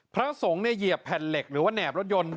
พระสงฆ์เหยียบแผ่นเหล็กหรือแหนบรถยนต์